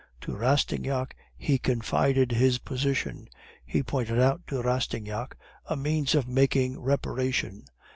To Rastignac he confided his position; he pointed out to Rastignac a means of making 'reparation.